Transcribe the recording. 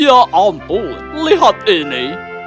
ya ampun lihat ini